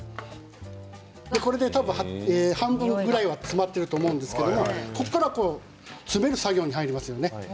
これで半分ぐらいは煮詰まっていると思うんですがここから詰める作業に入りますね。